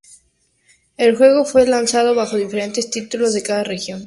El juego fue lanzado bajo diferentes títulos en cada región.